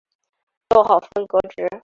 逗号分隔值。